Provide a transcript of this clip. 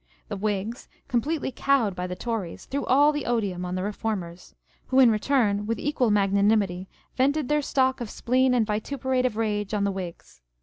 The Whigs, completely cowed by the Tories, threw all the odium, on the Reformers ; who in return with equal magnanimity vented their stock of spleen and vituperative rage on the Whigs.